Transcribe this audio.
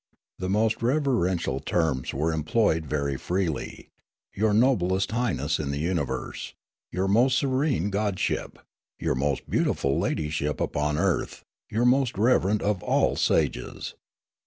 The most reveren tial terms were employed very freely :" Your noblest highness in the universe," " Your most serene god ship," "Your most beautiful ladyship upon earth," " Your most reverent of all sages."